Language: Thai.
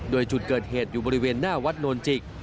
โดยจุดเกิดเหตุอยู่บริเวณหน้าวัดโนนจิก